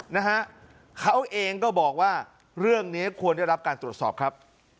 นะฮะเขาเองก็บอกว่าเรื่องนี้ควรได้รับการตรวจสอบครับ